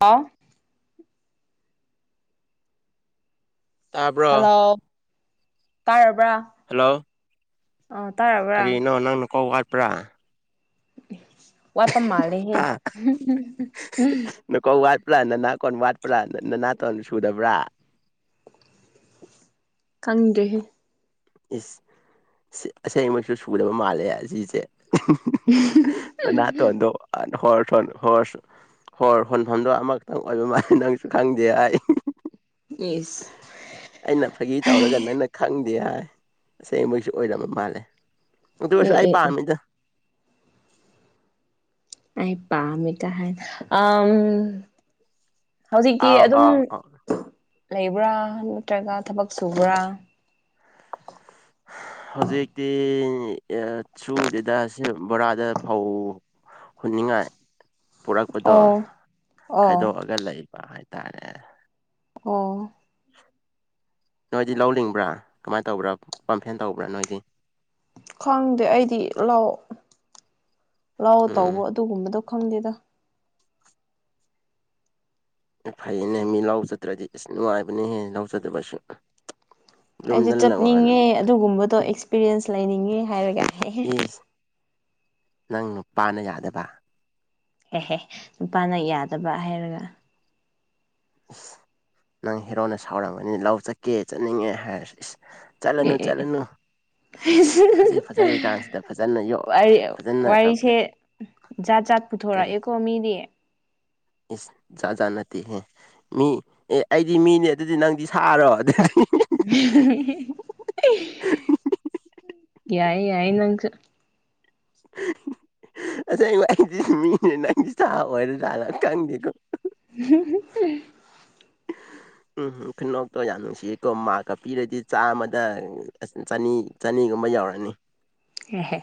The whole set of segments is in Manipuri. ꯍꯥꯥ ꯇꯥꯕ꯭ꯔꯣ ꯍꯜꯂꯣ ꯇꯥꯔꯕ꯭ꯔꯥ ꯍꯜꯂꯣ ꯑꯣ ꯇꯔꯥ ꯀꯔꯤꯅꯣ ꯅꯪꯅ ꯀꯥꯎ ꯋꯥꯠꯄ꯭ꯔꯥ ꯑꯣꯄꯥ ꯃꯥꯗ ꯍꯦ ꯅꯀꯧ ꯋꯥꯠꯄ꯭ꯔꯥ ꯅꯅꯥ ꯀꯣꯟ ꯋꯥꯠꯄ꯭ꯔꯥ ꯅꯅꯥꯇꯣꯟ ꯁꯨꯗꯕ꯭ꯔꯥ ꯈꯪꯗ꯭ꯔꯦ ꯏꯁ ꯏꯁꯩꯃꯛꯁꯨ ꯁꯨꯕ ꯃꯥꯜꯂꯦ ꯑꯁꯤꯁꯦ ꯅꯥ ꯇꯣꯗꯣ ꯍ ꯍ ꯍꯣꯔ ꯍꯣꯟꯐꯝꯗꯣ ꯑꯃꯈꯛꯇꯪ ꯑꯣꯏꯕ ꯃꯥꯜꯜꯂꯤꯦ ꯅꯪꯁꯨ ꯈꯪꯗꯦ ꯑꯩ ꯌꯦꯁ ꯑꯩꯅ ꯐꯥꯒꯤ ꯇꯧꯔꯒ ꯅꯪꯅ ꯈꯪꯗꯦ ꯍꯥꯏ ꯇꯁꯦꯡ ꯃꯣꯏꯁꯨ ꯑꯣꯏꯔꯕ ꯃꯥꯜꯂꯦ ꯃ ꯄ ꯑꯦ ꯑꯩ ꯑꯦ ꯑꯦ ꯄꯑꯃꯤꯗ ꯑꯩ ꯄꯝ ꯇ ꯍꯥꯏꯦ ꯑ ꯍꯧꯖꯤꯛꯇꯤ ꯑꯥꯎ ꯑꯗꯨꯝ ꯑꯥꯎ ꯑꯥꯎ ꯂꯩꯕ꯭ꯔꯥ ꯅꯠꯇ꯭ꯔꯒ ꯊꯕꯛ ꯁꯨꯕ꯭ꯔꯥ ꯍꯧꯖꯤꯛꯇꯤ ꯁꯨꯗꯦꯗ ꯕꯣꯔꯥꯗ ꯐꯧ ꯍꯨꯅꯤꯡꯉꯥꯏ ꯄꯨꯔꯥ ꯄꯗꯣ ꯑꯣ ꯑꯣ ꯈꯥꯏꯗꯣꯛꯑꯒ ꯂꯩꯕ ꯍꯥꯏꯇꯥꯔꯦ ꯑꯣ ꯅꯣꯏꯗꯤ ꯂꯧꯅꯤꯡꯕ꯭ꯔꯥ ꯀꯃꯥꯏꯅ ꯇꯧꯕ꯭ꯔꯥ ꯄꯝꯐꯦꯟ ꯇꯧꯕ꯭ꯔꯥ ꯅꯣꯏꯗꯤ ꯈꯪꯗꯦ ꯑꯩꯗꯤ ꯂꯥꯎ ꯂꯥꯎ ꯇꯧꯕ ꯎꯝ ꯑꯗꯨꯒꯨꯝꯕꯗꯣ ꯈꯪꯗꯦꯗ ꯐꯩꯅꯦ ꯃꯤ ꯂꯧꯥꯎꯖꯗ꯭ꯔꯗꯤ ꯏꯁ ꯅꯨꯡꯉꯥꯏꯕꯅꯦꯍꯦꯟꯅ ꯂꯧꯥꯎꯖꯗꯕꯁꯨ ꯑꯩꯗꯤ ꯆꯠꯅꯤꯡꯉꯦ ꯑꯗꯨꯒꯨꯝꯕꯗꯣ ꯑꯦꯛꯁꯄꯤꯔꯤꯌꯦꯟꯁ ꯂꯩꯅꯤꯡꯉꯦ ꯍꯥꯏꯔꯒ ꯍꯦꯍꯦ ꯑꯦꯁ ꯅꯪ ꯅꯨꯄꯥꯅ ꯌꯥꯗꯕ ꯑꯦꯦꯍꯦ ꯅꯨꯄꯥꯅ ꯌꯥꯗꯕ ꯍꯥꯏꯔꯒ ꯏꯁ ꯅꯪ ꯍꯤꯔꯣꯅ ꯁꯥꯎꯔꯝꯒꯅꯤ ꯂꯧ ꯆꯠꯀꯦ ꯆꯠꯅꯤꯡꯉꯦ ꯍꯥꯏꯔꯁꯨ ꯏꯁ ꯆꯂꯅ ꯑꯦ ꯑꯦ ꯆꯂꯅ ꯐꯖꯅ ꯌꯣꯛ ꯐꯖꯅ ꯋꯥꯔꯤꯁꯦ ꯀꯝꯄ꯭ꯂꯦꯟ ꯖꯥꯠ ꯖꯥꯠ ꯄꯨꯊꯣꯔꯛꯑꯦꯀꯣ ꯃꯤꯗꯤ ꯏꯁꯖꯅꯇ ꯍ ꯃꯤ ꯑꯦ ꯑꯩꯗꯤ ꯃꯤꯅꯦ ꯑꯗꯨꯗꯤ ꯅꯪꯗꯤ ꯁꯥꯔꯣ ꯑꯗꯨ ꯌꯥꯏ ꯌꯥꯏ ꯅꯪꯁꯨ ꯑꯁꯥꯏ ꯅꯥꯏꯇꯃꯤ ꯅꯅꯥꯏꯟꯇ ꯁꯥꯥ ꯑꯣꯏꯔ ꯊꯅ ꯀꯥꯅꯤꯡꯗꯤꯣ [unintelligible] ꯎꯝ ꯈꯨꯅꯣꯛꯇꯣ ꯌꯥꯝ ꯅꯨꯡꯁꯤꯌꯦꯀꯣ ꯃꯥꯛꯀ ꯄꯤꯔꯗꯤ ꯆꯥꯝꯃꯗ ꯆꯅꯤ ꯆꯅꯤꯒꯨꯝꯕ ꯌꯥꯎꯔꯅꯤ ꯍꯦ ꯍꯦ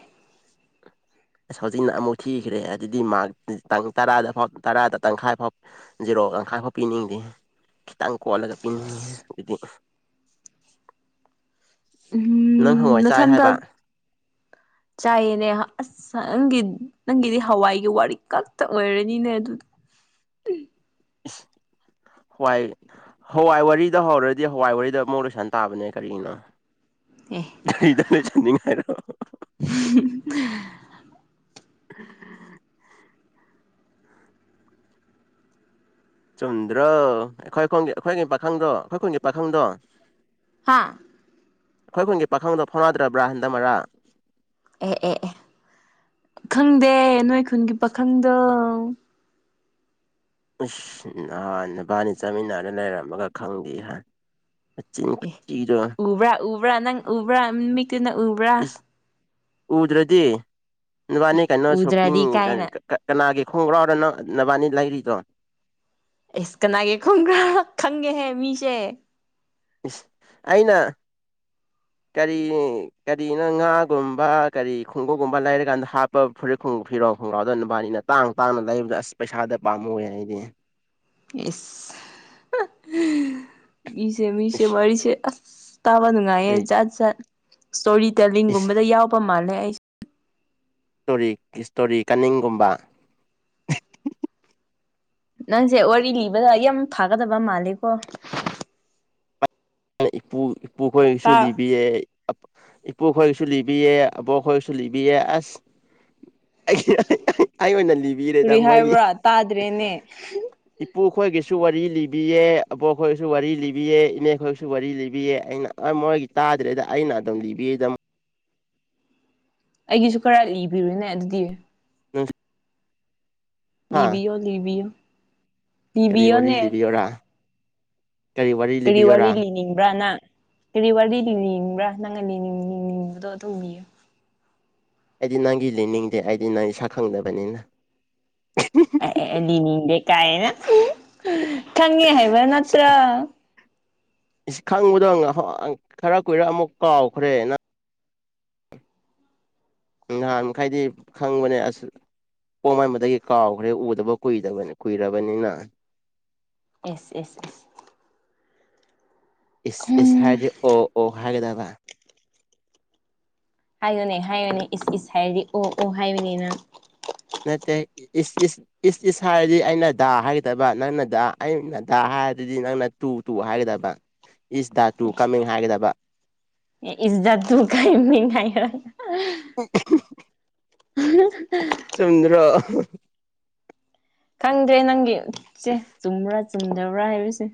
[unintelligible] ꯑꯁ ꯍꯧꯖꯤꯛꯅ ꯑꯃꯨꯛ ꯊꯤꯈ꯭ꯔꯦ ꯑꯗꯨꯗꯤ ꯃꯥꯔꯛ ꯇꯥꯡ ꯇꯔꯥꯗ ꯐꯥꯎ ꯇꯔꯥꯗ ꯇꯪꯈꯥꯏ ꯐꯥꯎ ꯖꯤꯔꯣ ꯇꯪꯈꯥꯏꯐꯥꯎ ꯄꯤꯅꯤꯡꯗꯦ ꯈꯤꯇꯪ ꯀꯣꯜꯂꯒ ꯄꯤꯅꯤꯡꯉꯦꯍꯦ ꯑꯗꯨꯗꯤ ꯅꯪ ꯎꯝ ꯍꯪꯋꯥꯏ ꯆꯥꯏ ꯅꯊꯟꯗ ꯍꯥꯏꯕ ꯆꯥꯏꯌꯦꯅꯦ ꯑꯁ ꯅꯪꯒꯤ ꯅꯪꯒꯤꯗꯤ ꯍꯋꯥꯏꯒꯤ ꯋꯥꯔꯤ ꯈꯛꯇꯛ ꯑꯣꯏꯔꯅꯤꯅꯦ ꯑꯗꯨꯗꯤ [unintelligible] ꯍꯋꯥꯏ ꯍꯋꯥꯏ ꯋꯥꯔꯤꯗ ꯍꯧꯔꯗꯤ ꯍꯋꯥꯏ ꯋꯥꯔꯤꯗ ꯑꯃꯨꯛ ꯂꯣꯏꯁꯟ ꯇꯥꯕꯅꯦ ꯀꯔꯤꯅꯣ ꯑꯦ [unintelligible] [unintelligible] ꯆꯨꯝꯗ꯭ꯔꯣ ꯑꯩꯈꯣꯏ ꯈꯣꯡꯒꯤ ꯑꯩꯈꯣꯏꯒꯤ ꯄꯥꯈꯪꯗꯣ ꯑꯩꯈꯣꯏ ꯈꯨꯟꯒꯤ ꯄꯥꯈꯪꯗꯣ ꯍꯥ ꯑꯩꯈꯣꯏ ꯈꯨꯟꯒꯤ ꯄꯥꯈꯪꯗꯣ ꯐꯥꯎꯅꯗ꯭ꯔꯕ꯭ꯔꯥ ꯍꯟꯗꯛ ꯃꯔꯛ ꯑꯦ ꯑꯦ ꯑꯦ ꯈꯪꯗꯦ ꯅꯣꯏ ꯈꯨꯟꯒꯤ ꯄꯥꯈꯪꯗꯣ ꯎꯁ ꯅꯍꯥꯟ ꯅꯨꯕꯥꯅꯤ ꯆꯠꯃꯤꯟꯅꯔ ꯂꯩꯔꯝꯃꯒ ꯈꯪꯗꯦ ꯍꯥꯏ ꯅꯆꯤꯟ ꯑꯦ ꯈꯨꯊꯤꯗꯣ ꯎꯕ꯭ꯔꯥ ꯎꯕ꯭ꯔꯥ ꯅꯪ ꯎꯕ꯭ꯔꯥ ꯃꯤꯠꯇꯨ ꯅꯪ ꯎꯕ꯭ꯔꯥ ꯏꯁ ꯎꯗ꯭ꯔꯗꯤ ꯅꯨꯕꯥꯅꯤ ꯀꯩꯅꯣ ꯁꯣꯄꯤꯡ ꯎꯗ꯭ꯔꯗꯤ ꯑ ꯀꯥꯏꯅ ꯀꯠ ꯀꯠ ꯀꯅꯥꯒꯤ ꯈꯣꯡꯒ꯭ꯔꯥꯎ ꯔ ꯅꯪ ꯅꯕꯥꯅꯤ ꯂꯩꯔꯤꯗꯣ ꯑꯦꯁ ꯀꯅꯥꯒꯤ ꯈꯣꯡꯒ꯭ꯔꯥꯎ ꯈꯪꯉꯦꯍꯦ ꯃꯤꯁꯦ ꯏꯁ ꯑꯩꯅ [inaudible] ꯀꯔꯤ ꯀꯔꯤꯅꯣ ꯉꯥꯒꯨꯝꯕ ꯀꯔꯤ ꯈꯨꯡꯒꯨꯞꯒꯨꯝꯕ ꯂꯩꯔꯀꯥꯟꯗ ꯍꯥꯞ ꯄ ꯐꯨꯔꯤꯠ ꯈꯨꯡ ꯐꯤꯔꯣ ꯈꯣꯡꯒꯥꯎꯗ ꯅꯨꯕꯥꯅꯤꯅ ꯇꯥꯡ ꯇꯥꯡꯅ ꯂꯩꯕꯗ ꯑꯁ ꯄꯩꯁꯥꯗ ꯄꯥꯝꯃꯨꯑꯦ ꯑꯩꯗꯤ ꯏꯁ ꯍꯥ ꯃꯤꯁꯦ ꯃꯤꯁꯦ ꯏꯁ ꯃꯔꯤꯁꯦ ꯑꯁ- ꯇꯥꯕ ꯅꯨꯡꯉꯥꯏꯌꯦ ꯀꯔꯤ ꯖꯥꯠ ꯖꯥꯠ ꯏꯁꯇꯣꯔꯤ ꯏꯁ ꯇꯦꯂꯤꯡꯒꯨꯝꯕꯗ ꯌꯥꯎꯕ ꯃꯥꯜꯂꯦ ꯑꯩ ꯏꯁꯇꯣꯔꯤ ꯏꯁꯇꯣꯔꯤ ꯀꯥꯅꯤꯡꯒꯨꯝꯕ ꯅꯪꯁꯦ ꯋꯥꯔꯤ ꯂꯤꯕꯗ ꯌꯥꯝ ꯐꯥꯒꯗꯕ ꯃꯥꯜꯂꯦꯀꯣ ꯏꯄꯨ ꯏꯄꯨꯈꯣꯏꯅꯁꯨ ꯇꯥ ꯂꯤꯕꯤꯌꯦ ꯏꯄꯨ ꯈꯣꯏꯒꯤꯁꯨ ꯂꯤꯕꯤꯌꯦ ꯑꯕꯣꯛ ꯈꯣꯏꯒꯤꯁꯨ ꯂꯤꯕꯤꯌꯦ ꯑꯁ [unintelligible] ꯑꯩ ꯑꯣꯏꯅ ꯂꯤ ꯇꯨꯔꯤ ꯍꯥꯏꯕ꯭ꯔꯥ ꯇꯥꯗ꯭ꯔꯦꯅꯦ ꯏꯄꯨ ꯈꯣꯏꯒꯤꯁꯨ ꯋꯥꯔꯤ ꯂꯤꯕꯤꯌꯦ ꯑꯕꯣꯛ ꯈꯣꯏꯒꯤꯁꯨ ꯋꯥꯔꯤ ꯂꯤꯕꯤꯌꯦ ꯏꯅꯦ ꯈꯣꯏꯁꯨ ꯁꯨ ꯋꯥꯔꯤ ꯂꯤꯕꯤꯌꯦ ꯑꯩꯅ ꯃꯣꯏꯒꯤ ꯇꯥꯗ꯭ꯔꯦꯗ ꯑꯩꯅ ꯑꯗꯨꯝ ꯂꯤꯕꯤꯌꯦꯗ ꯑꯩꯒꯤꯁꯨ ꯈꯔ ꯂꯤꯕꯤꯔꯨꯅꯦ ꯑꯗꯨꯗꯤ [unintelligible] ꯍꯥ ꯂꯤꯕꯤꯌꯣ ꯂꯤꯕꯤꯌꯣ ꯀꯔꯤ ꯋꯥꯔꯤ ꯂꯤꯕꯤꯌꯣꯅꯦ ꯂꯤꯕꯤꯌꯣꯔꯥ ꯀꯔꯤ ꯀꯔꯤ ꯂꯤꯕꯤꯌꯣꯔꯥ ꯋꯥꯔꯤ ꯂꯤꯅꯤꯡꯕ꯭ꯔꯥ ꯅꯪ ꯀꯔꯤ ꯋꯥꯔꯤ ꯂꯤꯅꯤꯡꯕ꯭ꯔꯥ ꯅꯪꯅ ꯅꯤꯡꯕꯗꯣ ꯑꯗꯨꯝ ꯂꯤꯌꯣ ꯑꯩꯗꯤ ꯅꯪꯒꯤ ꯂꯤꯅꯤꯡꯗꯦ ꯑꯩꯗꯤ ꯅꯪꯒꯤ ꯁꯛꯈꯪꯗꯕꯅꯤꯅ [unintelligible] ꯑꯦ ꯑꯦ ꯑꯦ ꯂꯤꯅꯤꯡꯗꯦ ꯀꯥꯏꯅ ꯍꯨꯡ ꯈꯪꯉꯦ ꯍꯥꯏꯕ ꯁ- ꯅꯠꯇ꯭ꯔꯥ ꯏꯁ ꯈꯪꯕꯗꯣ ꯑꯪ ꯍꯪ ꯈꯔ ꯀꯨꯏꯔ ꯑꯃꯨꯛ ꯀꯥꯎꯈ꯭ꯔꯦ ꯅꯪ ꯅꯍꯥꯟ ꯈꯩꯗꯤ ꯈꯪꯕꯅꯦ ꯑꯁ ꯑꯣꯛ ꯃꯥꯟꯕꯗꯒꯤ ꯀꯥꯎꯈ꯭ꯔꯦ ꯎꯗꯕ ꯀꯨꯏꯗꯕꯅꯦ ꯀꯨꯏꯔꯕꯅꯤꯅ ꯑꯦꯁ ꯑꯦꯁ ꯑꯦꯁ ꯏꯁ ꯏꯁ ꯎꯝ ꯍꯥꯏꯔꯗꯤ ꯑꯣ ꯑꯣ ꯍꯥꯏꯒꯗꯕ ꯍꯥꯏꯌꯨꯅꯦ ꯍꯥꯏꯌꯨꯅꯦ ꯏꯁ ꯏꯁ ꯍꯥꯏꯔꯗꯤ ꯑꯣ ꯑꯣ ꯍꯥꯏꯌꯨꯅꯦ ꯅꯪ ꯅꯠꯇꯦ ꯏꯁ ꯏꯁ꯫ ꯏꯁ ꯏꯁ ꯍꯥꯏꯔꯗꯤ ꯑꯩꯅ ꯗꯥ ꯍꯥꯏꯒꯗꯕ ꯅꯪꯅ ꯗꯥ ꯗꯥ ꯍꯥꯏꯔꯗꯨꯗꯤ ꯅꯪꯅ ꯇꯨ ꯇꯨ ꯍꯥꯏꯒꯗꯕ꯫ ꯏꯁ ꯗ ꯇꯨ ꯀꯃꯤꯡ ꯍꯥꯏꯒꯗꯕ꯫ [unintelligible] ꯑꯍꯪ ꯑꯍꯪ [inaudible] ꯆꯨꯟꯗ꯭ꯔꯣ ꯑꯍꯥꯍꯥ ꯈꯪꯗ꯭ꯔꯦ ꯅꯪꯒꯤ ꯆꯦ ꯆꯨꯝꯕ꯭ꯔꯥ ꯆꯨꯝꯗꯕ꯭ꯔꯥ ꯍꯥꯏꯕꯁꯦ꯫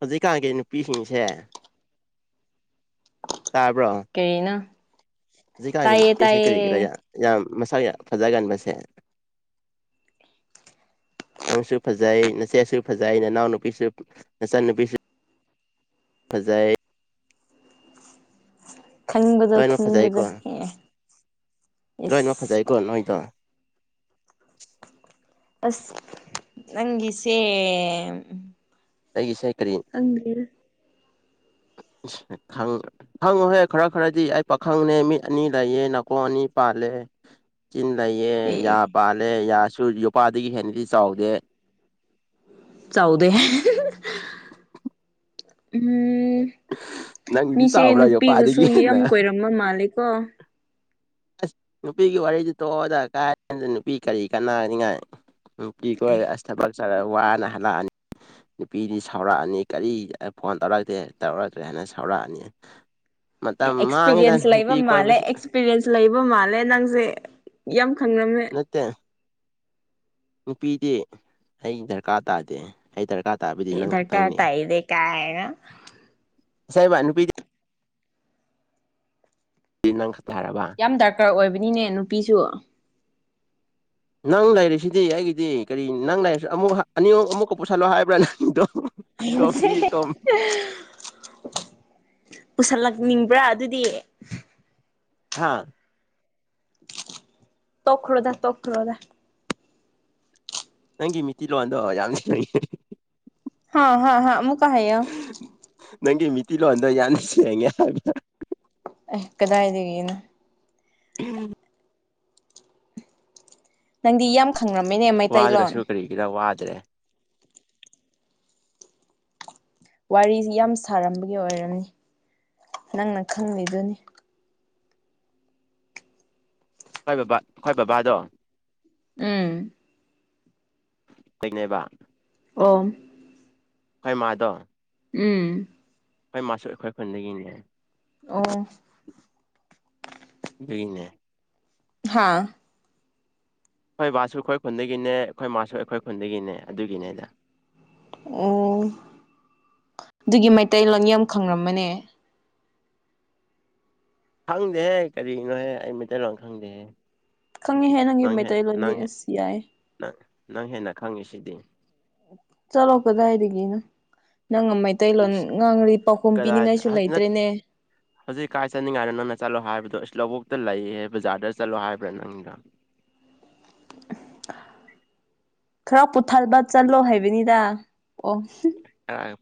ꯍꯧꯖꯤꯛꯀꯥꯟꯒꯤ ꯅꯨꯄꯤꯁꯤꯡꯁꯦ꯫ ꯇꯥꯕ꯭ꯔꯣ꯫ ꯀꯩꯅꯣ꯫ ꯍꯧꯖꯤꯛꯀꯥꯟꯒꯤ ꯅꯨꯄꯤꯁꯦ ꯀꯔꯤꯒꯤꯔꯥ ꯌꯥꯝ ꯌꯥꯝ ꯃꯁꯥꯛ ꯌꯥꯝ ꯐꯖꯒꯟꯕꯁꯦ꯫ [unintelligible] ꯅꯪꯁꯨ ꯐꯖꯩ ꯅꯆꯦꯁꯨ ꯐꯖꯩ ꯅꯅꯥꯎ ꯅꯨꯨꯄꯤꯁꯨ ꯅꯆꯥꯟꯅꯨꯄꯤꯁꯨ꯫ ꯐꯖꯩ ꯈꯪꯕꯗꯣ ꯂꯣꯏꯅꯃꯛ ꯈꯪꯕꯗꯣ ꯐꯖꯩꯀꯣ ꯑꯦ ꯏꯁ꯫ ꯅꯣꯏꯗ꯫ ꯑꯁ ꯅꯪꯒꯤꯁꯦ ꯑꯩꯒꯤ ꯁꯦ ꯀꯔꯤ ꯈꯪꯗꯦꯗ꯫ ꯈꯪ ꯍꯪꯉꯣꯍꯦ ꯈꯔ ꯈꯔꯗꯤ ꯑꯩ ꯄꯥꯈꯪꯅ ꯃꯤꯠ ꯑꯅꯤ ꯂꯩꯌꯦ ꯅꯥꯀꯣꯡ ꯑꯅꯤ ꯄꯥꯜꯂꯦ ꯆꯤꯟ ꯂꯩꯌꯦ ꯑꯦ ꯌꯥ ꯑꯦ ꯄꯥꯜꯂꯦ ꯌꯥꯁꯨ ꯌꯣꯄꯥꯗꯒꯤ ꯍꯦꯟꯅꯁꯨ ꯆꯥꯎꯗꯦ ꯆꯥꯎꯗꯦ ꯎꯝ ꯅꯪꯒꯤꯗꯤ ꯃꯤꯁꯦ ꯆꯥꯎꯕ꯭ꯔꯥ ꯅꯨꯄꯤꯒꯁꯨ ꯌꯣꯄꯥꯗꯒꯤ ꯌꯥꯝ ꯍꯦꯟꯅ ꯀꯣꯏꯔꯝꯕ ꯃꯥꯜꯂꯦ ꯀꯣ ꯑꯁ ꯅꯨꯄꯤꯒꯤ ꯋꯥꯔꯤꯗꯨ ꯇꯣꯛꯑꯣꯗ ꯀꯥꯏꯗ ꯅꯨꯄꯤ ꯀꯔꯤ ꯀꯥꯟꯅꯅꯤꯉꯥꯏ ꯅꯨꯄꯤ ꯀꯣꯏꯔ ꯑꯁ ꯊꯕꯛ ꯆꯠꯂ ꯋꯥꯅ ꯍꯜꯂꯛꯑꯅꯤ ꯅꯨꯄꯤꯗꯤ ꯁꯥꯎꯔꯛꯑꯅꯤ ꯀꯔꯤ ꯐꯣꯟ ꯇꯧꯔꯛꯇꯦ ꯇꯧꯔꯛꯇ꯭ꯔꯦ ꯍꯥꯏꯅ ꯁꯥꯎꯔꯛꯑꯅꯤ ꯃꯇꯝ ꯃꯥꯡꯉꯤꯗ ꯑꯦꯛꯁꯄꯤꯔꯤꯌꯦꯟꯁ ꯂꯩꯕ ꯅꯨꯄꯤ ꯃꯥꯜꯂꯦ ꯀꯣꯏꯕꯁꯤ ꯑꯦꯛꯁꯄꯤꯔꯤꯌꯦꯟꯁ ꯂꯩꯕ ꯃꯥꯜꯂꯦ ꯅꯪꯁꯦ ꯌꯥꯝ ꯈꯪꯉꯝꯂꯦ꯫ ꯇꯦ ꯅꯨꯄꯤꯗꯤ ꯑꯩ ꯗꯔꯀꯥꯔ ꯇꯥꯗꯦ ꯑꯩ ꯗꯔꯀꯥꯔ ꯇꯥꯕꯗꯤ ꯑꯦ ꯅꯪ ꯗꯔꯀꯥꯔ ꯈꯛꯇꯪꯅꯤ ꯇꯥꯢꯅꯦ ꯀꯥꯏꯅ꯫ ꯁꯦꯕꯥꯟ ꯅꯨꯄꯤꯗꯤ ꯅꯪ ꯈꯛꯇ ꯇꯥꯔꯕ ꯌꯥꯝ ꯗꯔꯀꯥꯔ ꯑꯣꯏꯕꯅꯤꯅꯦ ꯅꯨꯄꯤꯁꯨ ꯌꯥꯝ ꯅꯪ ꯂꯩꯥꯔꯤꯁꯤꯗꯤ ꯑꯩꯒꯤꯗꯤ ꯀꯔꯤ ꯅꯪ ꯂꯩꯔꯁꯨ ꯑꯃꯨꯛ ꯑꯅꯤ ꯃꯨꯛ ꯑꯃꯨꯛꯀ ꯄꯨꯁꯜꯂꯣ ꯍꯥꯏꯕ꯭ꯔꯥ ꯅꯪꯗꯣ ꯄꯨꯁꯜꯂꯛꯅꯤꯡꯕ꯭ꯔꯥ ꯑꯗꯨꯗꯤ꯫ ꯍꯥꯥ ꯇꯣꯈꯔꯣꯗ ꯇꯣꯈꯔꯣꯗ ꯅꯪꯒꯤ ꯃꯤꯇꯤ ꯂꯣꯟꯗꯣ ꯌꯥꯝ ꯁꯦꯡꯉꯦ ꯍꯣꯢ ꯍꯥꯣꯢ ꯑꯃꯨꯛꯀ ꯍꯥꯢꯌꯣ ꯅꯪꯒꯤ ꯃꯤꯇꯤ ꯂꯣꯟꯗꯣ ꯌꯥꯝ ꯁꯦꯡꯉꯦ ꯍꯥꯢꯕ ꯑꯦ ꯀꯗꯥꯏꯗꯒꯤꯅꯣ ꯎꯝ ꯅꯪꯗꯤ ꯌꯝ ꯈꯪꯉꯝꯃꯤꯅꯦ ꯋꯥꯗ꯭ꯔꯁꯨ ꯀꯔꯤꯒꯤꯔ ꯋꯥꯗ꯭ꯔꯦ ꯋꯥꯔꯤꯁꯤ ꯌꯥꯝ ꯁꯥꯔꯝꯕꯒꯤ ꯑꯣꯏꯔꯝꯅꯤ ꯅꯪꯅ ꯈꯪꯂꯤꯗꯨꯅꯤ ꯑꯣꯏ ꯕꯕꯥ ꯑꯣꯏ ꯕꯕꯥꯗꯣ ꯎꯝ ꯀꯦꯡꯅꯕ ꯑꯣ ꯑꯣꯢ ꯃꯥꯥꯗꯣ ꯎꯝ ꯍꯣꯏ ꯃꯥꯁꯨ ꯑꯩꯈꯣꯏ ꯈꯨꯟꯗꯒꯤꯅꯦ ꯑꯣ ꯑꯗꯨꯅꯦ ꯍꯥꯥ ꯑꯩꯈꯣꯏ ꯕꯥꯁꯨ ꯑꯩꯈꯣꯏ ꯈꯨꯟꯗꯒꯤꯅꯦ ꯑꯩꯈꯣꯏ ꯃꯥꯁꯨ ꯑꯩꯈꯣꯏ ꯈꯨꯟꯗꯒꯤꯅꯦ ꯑꯗꯨꯒꯤꯅꯦꯗ ꯑꯣ ꯑꯗꯨꯒꯤ ꯃꯩꯇꯩ ꯂꯪ ꯌꯥꯝ ꯈꯪꯔꯃꯅꯦ ꯈꯪꯗꯦꯍꯦ ꯀꯔꯤꯅꯣꯍꯦ ꯑꯩ ꯃꯩꯇꯩ ꯂꯣꯟ ꯈꯪꯗꯦꯍꯦ ꯈꯪꯉꯤꯍꯦ ꯅꯪꯒꯤ ꯅꯪ ꯍꯦ ꯃꯩꯇꯩꯂꯣꯟꯗꯤ ꯅꯪ ꯍꯦ ꯑꯁ ꯌꯥꯏ ꯅꯪ ꯅꯪ ꯍꯦꯟꯅ ꯈꯪꯉꯤꯁꯤꯗꯤ ꯆꯠꯂꯣ ꯀꯗꯥꯏꯗꯒꯤꯅꯣ ꯅꯪ ꯃꯥꯏ ꯑꯇꯩꯂꯣꯟ ꯏꯁ ꯉꯥꯡꯔꯤ ꯄꯥꯎꯈꯨꯝ ꯀꯗꯥꯏ ꯄꯤꯅꯤꯡꯉꯥꯏꯁꯨ ꯅꯠ ꯂꯩꯇ꯭ꯔꯦꯅꯦ ꯍꯧꯖꯤꯛ ꯀꯥꯏ ꯆꯠꯅꯤꯡꯉꯥꯏꯗ ꯅꯪꯅ ꯆꯠꯂꯣ ꯍꯥꯏꯕꯗꯣ ꯏꯁ ꯂꯧꯕꯣꯛꯇ ꯂꯩꯌꯦ ꯕꯖꯥꯔꯗ ꯆꯠꯂꯣ ꯍꯥꯏꯕ꯭ꯔꯥ ꯅꯪꯗꯣ ꯈꯔ ꯄꯨꯊꯕ ꯆꯠꯂꯣ ꯍꯥꯏꯕꯅꯤꯗ ꯑꯣ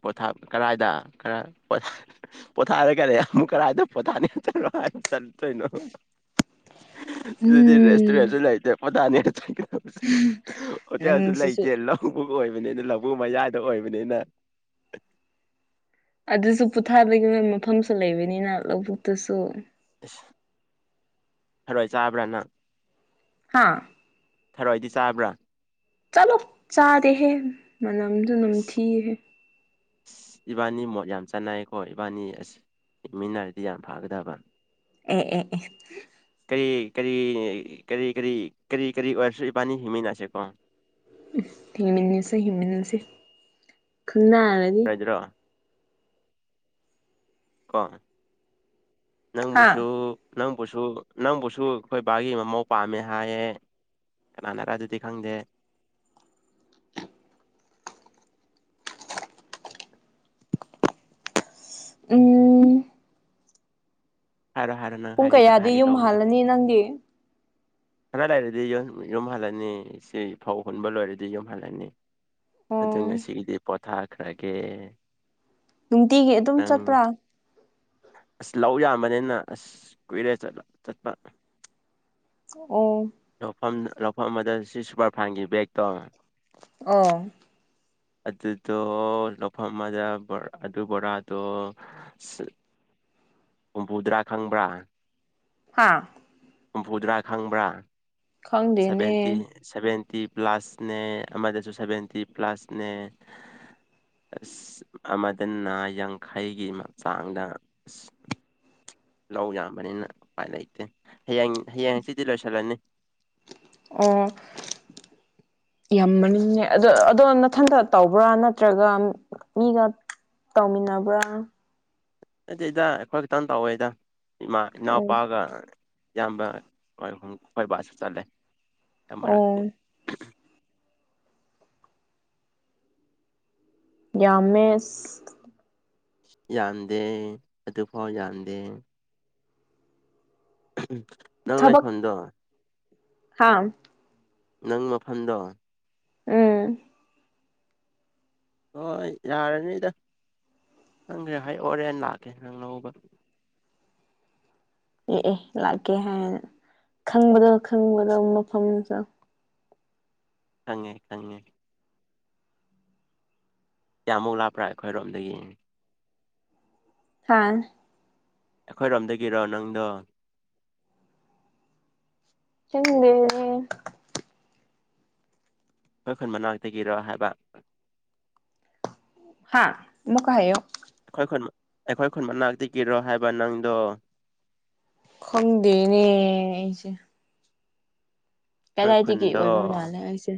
ꯄꯣꯊꯥ ꯀꯔꯥꯏꯗ ꯈꯔ ꯄꯣꯊꯥꯔꯦ ꯀꯔꯦ ꯑꯃꯨꯛ ꯀꯗꯥꯥꯏꯗ ꯄꯣꯊꯥꯅꯤ ꯆꯠꯅꯣ ꯑꯗꯨꯗꯤ ꯎꯝ ꯔꯦꯁꯇꯨꯔꯦꯟꯁꯨ ꯂꯩꯦ ꯄꯠꯇꯥꯅꯤꯔꯣ ꯍꯣꯇꯦꯜꯁꯨ ꯅꯪꯁꯤꯁꯨ ꯂꯩꯇꯦ ꯂꯧꯕ ꯑꯣꯏꯕꯅꯤꯅ ꯂꯧꯕꯨ ꯃꯖꯥꯗ ꯑꯣꯏꯕꯅꯤꯅ ꯑꯗꯨꯁꯨ ꯄꯣꯊꯥꯒꯤ ꯃꯐꯝꯁꯨ ꯂꯩꯕꯅꯤꯅ ꯂꯧꯕꯨꯛꯇꯁꯨ ꯑꯁ ꯍꯔꯣꯏ ꯆꯥꯕ꯭ꯔꯥ ꯅꯪ ꯍꯥꯥ ꯊꯔꯣꯏꯏꯗꯤ ꯆꯥꯕ꯭ꯔꯥ ꯆꯠꯂꯣ ꯆꯥꯗꯦꯍꯦ ꯃꯅꯝꯁꯨ ꯅꯝꯊꯤꯍꯦ ꯑꯁ ꯏꯕꯥꯅꯤ ꯃꯣꯠ ꯌꯥꯝ ꯆꯥꯟꯅꯩꯀꯣ ꯏꯕꯥꯅꯤ ꯑꯁ ꯍꯤꯡꯃꯤꯟꯅꯔꯗꯤ ꯌꯥꯝ ꯐꯒꯗꯕ ꯑꯦ ꯑꯦ ꯑꯦ ꯀꯔꯤ ꯀꯔꯤ ꯀꯔꯤ ꯀꯔꯤ ꯀꯔꯤ ꯀꯔꯤ ꯑꯣꯏꯔꯁꯨ ꯏꯕꯥꯅꯤ ꯍꯤꯡꯃꯤꯟꯅꯁꯦ ꯀꯣ ꯎ ꯍꯤꯡꯃꯤꯟꯅꯁꯦ ꯍꯤꯡꯃꯤꯟꯅꯁꯦ ꯈꯪꯅꯔꯗꯤ ꯗ꯭ꯔ ꯀ ꯍꯥ ꯅꯪꯕꯨꯁꯨꯨ ꯅꯪꯕꯨꯁꯨ ꯅꯪꯕꯨꯁꯨ ꯑꯩꯈꯣꯏ ꯕꯥꯒꯤ ꯃꯃꯧ ꯄꯥꯝꯃꯦ ꯍꯥꯏꯌꯦ ꯀꯅꯥꯅꯔ ꯑꯗꯨꯗꯤ ꯈꯪꯗꯦ ꯎꯝ ꯍꯥꯏꯔꯣ ꯍꯥꯏꯔꯣ ꯅꯪ ꯄꯨꯡ ꯍꯥꯏꯒꯦ ꯇꯧ ꯀꯌꯥꯗꯤ ꯍꯥꯏꯒꯦ ꯌꯨꯝ ꯇꯧꯕꯗꯣ ꯍꯥꯜꯂꯅꯤ ꯅꯪꯒꯤ ꯈꯅꯥ ꯂꯩꯔꯗꯤ ꯌꯨꯝ ꯍꯜꯂꯅꯤ ꯁꯤ ꯐꯧ ꯍꯨꯟꯕ ꯂꯣꯏꯔꯗꯤ ꯌꯨꯝ ꯍꯜꯂꯅꯤ ꯑꯗꯨ ꯑꯣ ꯉꯁꯤꯒꯤꯗꯤ ꯄꯣꯊꯥꯈ꯭ꯔꯒꯦ ꯅꯨꯡꯇꯤꯒꯤ ꯑꯗꯨꯝ ꯅꯪ ꯆꯠꯄ꯭ꯔꯥ ꯑꯁ ꯂꯧ ꯌꯥꯝꯕꯅꯤꯅ ꯑꯁ ꯀꯨꯏꯔꯦ ꯆꯠꯄ ꯑꯣ ꯂꯧꯐꯝ ꯂꯧꯐꯝ ꯑꯗꯨꯗ ꯁꯤ ꯁꯨꯄꯔ ꯐꯥꯏꯥꯟꯒꯤ ꯕꯦꯛ ꯇꯧꯉ ꯑꯣ ꯑꯗꯨꯗꯣ ꯂꯧꯐꯝ ꯑꯃꯗ ꯑꯗꯨ ꯕꯣꯔꯥꯗꯣ ꯍꯨꯝꯐꯨꯇꯔꯥ ꯈꯪꯕ꯭ꯔꯥ ꯍꯥꯥ ꯍꯨꯝꯐꯨꯗꯔꯥ ꯈꯪꯕ꯭ꯔꯥ ꯁꯚꯦꯟꯇꯤ ꯈꯪꯗꯦꯅꯦ ꯁꯦꯚꯦꯟꯇꯤ ꯄ꯭ꯂꯁꯅꯦ ꯑꯃꯗꯁꯨ ꯁꯚꯦꯟꯇꯤ ꯄ꯭ꯂꯁꯅꯦ ꯑꯁ ꯑꯃꯗꯅ ꯌꯥꯡꯈꯩꯒꯤ ꯍꯛꯆꯥꯡꯗ ꯑꯁ ꯂꯧ ꯌꯥꯝꯕꯅꯤꯅ ꯎꯄꯥꯏ ꯂꯩꯇꯦ ꯍꯌꯦꯡ ꯍꯌꯦꯡꯁꯤꯗꯤ ꯂꯣꯏꯁꯤꯜꯂꯅꯤ ꯑꯣ ꯌꯥꯝ ꯃꯅꯤꯡꯅꯦ ꯑꯗ ꯑꯗꯣ ꯃꯊꯟꯒ ꯇꯧꯕ꯭ꯔꯥ ꯅꯠꯇ꯭ꯔꯒ ꯃꯤꯒ ꯇꯧꯃꯤꯟꯅꯕ꯭ꯔꯥ ꯑꯗꯨꯗꯤꯗ ꯑꯩꯈꯣꯏ ꯈꯤꯇꯪ ꯇꯧꯋꯦꯗ ꯏꯃꯥ ꯑꯣ ꯏꯅꯥꯎꯄꯥꯒ ꯏꯌꯥꯝꯕ ꯍꯣꯏ ꯍꯣꯏ ꯕꯥꯁꯁꯨ ꯆꯠꯂꯦ ꯃꯔꯛ ꯑꯣ ꯌꯥꯝꯃꯦ ꯌꯥꯟꯗꯦ ꯑꯗꯨꯐꯥꯎ ꯌꯥꯟꯗꯦ ꯅꯪ ꯊꯕꯛ ꯂꯥꯏꯐꯝꯗꯣ ꯍꯥꯥ ꯅꯪ ꯃꯐꯝꯗꯣ ꯎꯝ ꯍꯣꯏ ꯌꯥꯔꯅꯤꯗ ꯍꯪꯈ꯭ꯔꯦ ꯍꯥꯏ ꯑꯣꯣꯔꯦꯅ ꯂꯥꯛꯀꯦ ꯅꯪꯅꯧꯕ ꯌꯦꯑ ꯂꯥꯛꯀꯦ ꯍꯥꯏꯔꯅ ꯈꯪꯕꯗꯣ ꯈꯪꯕꯗꯣ ꯃꯐꯝꯁꯨ ꯈꯪꯉꯦ ꯈꯪꯉꯦ ꯀꯌꯥꯃꯨꯛ ꯂꯥꯞꯄ꯭ꯔꯥ ꯑꯩꯈꯣꯏꯔꯣꯝꯗꯒꯤꯅꯤ ꯍꯥꯥ ꯑꯩꯈꯣꯏꯔꯣꯝꯗꯒꯤꯔꯣ ꯅꯪꯗꯣ ꯆ ꯑꯩꯈꯣꯏ ꯈꯨꯟ ꯃꯅꯥꯛꯇꯒꯤꯔꯣ ꯍꯥꯏꯕ ꯍꯥꯥ ꯃ ꯀ ꯍꯥꯏꯌꯣ ꯑꯩꯈꯣꯏ ꯈꯨꯟ ꯑꯩꯈꯣꯏ ꯈꯨꯟ ꯃꯅꯥꯛꯇꯒꯤꯔꯣ ꯍꯥꯏꯕ ꯅꯪꯗꯣ ꯈꯪꯗꯦꯅꯦ ꯑꯩꯁꯦ ꯑꯩꯈꯣꯏ ꯀꯗꯥꯏꯗꯒꯤ ꯈꯨꯟꯗꯣ ꯑꯣꯏꯕ ꯃꯥꯜꯂꯦ ꯑꯩꯁꯦ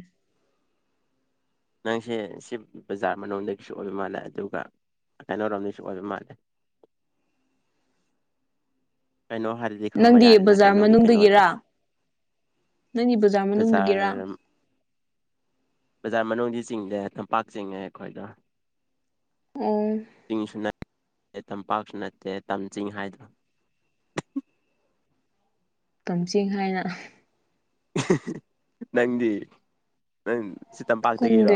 ꯅꯪꯁꯦ ꯁꯤ ꯕꯖꯥꯔ ꯃꯅꯨꯡꯗꯒꯤꯁꯨ ꯑꯣꯏꯕ ꯃꯥꯜꯂꯦ ꯑꯗꯨꯒ ꯀꯩꯅꯣꯔꯣꯝꯗꯒꯤꯁꯨ ꯑꯣꯏꯕ ꯃꯥꯜꯂꯦ ꯀꯩꯅꯣ ꯍꯥꯏ ꯅꯪꯗꯤ ꯕꯖꯥꯔ ꯃꯅꯨꯡꯗꯒꯤꯔꯥ ꯅꯪꯒꯤ ꯕꯖꯥꯔ ꯃꯅꯨꯡꯗꯒꯤꯔꯥ ꯕꯖꯥꯔ ꯕꯖꯥꯔ ꯃꯅꯨꯡꯗꯤ ꯆꯤꯡꯗꯦ ꯇꯝꯄꯥꯛ ꯆꯤꯡꯉꯦ ꯑꯩꯈꯣꯏꯗ ꯑꯣ ꯆꯤꯡꯁꯨ ꯅꯠꯇꯦ ꯇꯝꯄꯥꯛꯁꯨ ꯅꯠꯇꯦ ꯇꯝ ꯆꯤꯡ ꯍꯥꯏꯗ꯭ꯔꯥ ꯀꯝꯖꯤꯡ ꯍꯥꯏꯅ ꯅꯪꯗꯤ ꯅꯪ ꯁꯤ ꯇꯝꯄꯥꯛꯇꯒꯤꯔꯣ ꯈꯪꯗꯦ